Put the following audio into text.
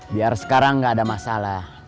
biar sekarang nggak ada masalah